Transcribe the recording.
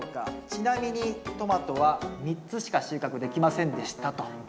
ちなみにトマトは３つしか収穫できませんでした」と。